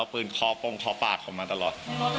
เปิงเคราะห์โปรงเคราะห์ปากผมมาตลอด